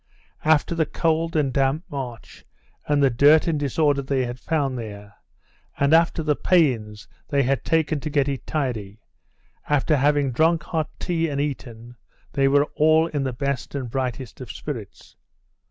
After the cold and damp march and the dirt and disorder they had found here, and after the pains they had taken to get it tidy, after having drunk hot tea and eaten, they were all in the best and brightest of spirits.